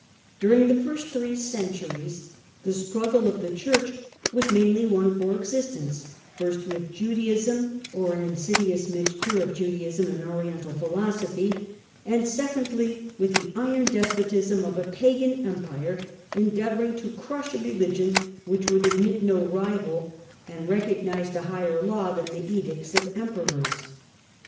During the first three centuries the struggle of the Church was mainly one for existence — ^first with Judaism or an insidious mixture of Judaism and Oriental philo sophy ; and, secondly, with the iron despotism of a pagan empire endeavouring to crush a religion which would admit no rival and recognised a higher law than the edicts of emperors.